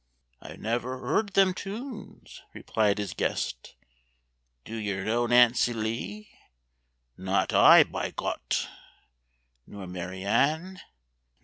"I never heerd them tunes," replied his guest. "Do yer know 'Nancy Lee'?" "Not I, bei Gott!" "Nor 'Mary Ann'?"